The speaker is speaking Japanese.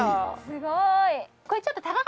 すごい！